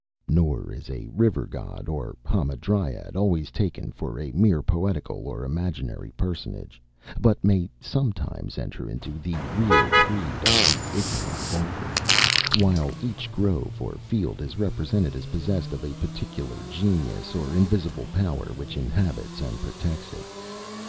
Nor is a river god or hamadryad always taken for a mere poetical or imaginary personage, but may sometimes enter into the real creed of the ignorant vulgar; while each grove or field is represented as possessed of a particular genius or invisible power which inhabits and protects, it.